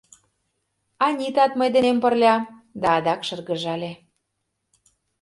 — Анитат мый денем пырля! — да адак шыргыжале.